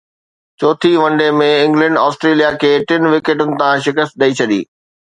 چوٿين one day ۾ England Australia کي ٽن وڪيٽن تان شڪست ڏئي ڇڏي